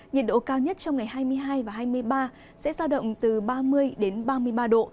nhiệt độ cao nhất trong ngày hai mươi hai và hai mươi ba sẽ giao động từ ba mươi ba mươi ba độ